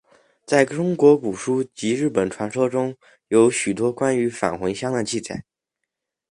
在中国古书及日本传说当中有许多关于返魂香的记载。